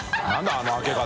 あの開け方。